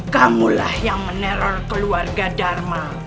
kamulah yang meneror keluarga dharma